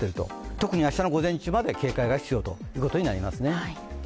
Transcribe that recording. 特に明日の午前中まで警戒が必要ということになりますね。